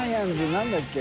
何だっけ？